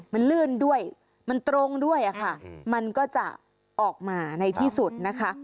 มันลื่นด้วยมันตรงด้วยค่ะมันก็จะออกมาในที่สุดนะคะ